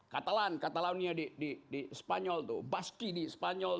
katalan katalonia di spanyol baski di spanyol